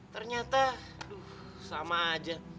ternyata sama aja